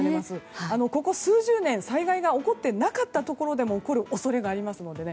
ここ数十年、災害が起こってなかったところでも起こる恐れがありますのでね